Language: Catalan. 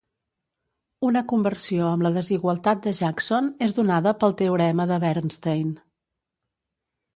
Una conversió amb la desigualtat de Jackson és donada pel teorema de Bernstein.